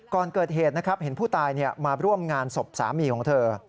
ก่อนเกิดเหตุนะครับเห็นผู้ตายมาร่วมงานศพสามีของเธอ